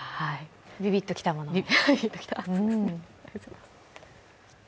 ビビッときたものを。